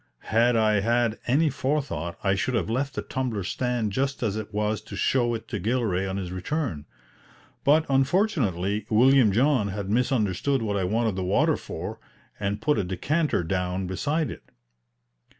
Had I had any forethought I should have left the tumbler stand just as it was to show it to Gilray on his return. But, unfortunately, William John had misunderstood what I wanted the water for, and put a decanter down beside it.